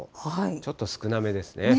ちょっと少なめですね。